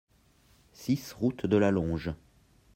six route de la Longe